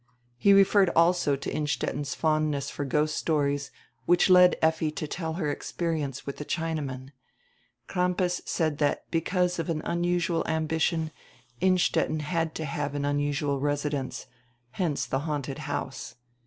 He referred also to Innstetten' s fondness for ghost stories, which led Effi to tell her experience widi die Chinaman. Crampas said tiiat because of an unusual ambition Innstetten had to have an unusual residence; hence die haunted house.